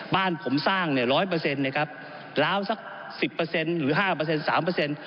บ้านผมสร้าง๑๐๐แล้วสัก๑๐หรือ๕๓